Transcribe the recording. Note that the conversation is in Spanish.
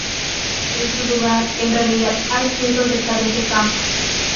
En su lugar, en realidad, hay cientos de hectáreas de campos.